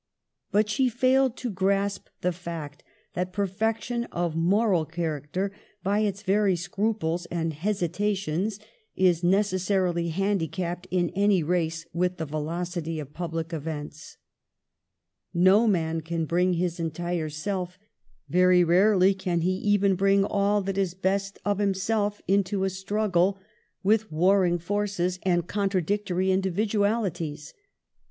But she failed to grasp the fact that perfection of moral character, by its very scruples and hesitations, is necessarily handicapped in any race with the velocity of public events. No man can bring his entire self — very rarely can he even bring all that is best of himself — into a struggle Digitized by VjOOQLC NEC KEFS SHORT LIVED TRIUMPH. 43 with warring forces and contradictory individual ities.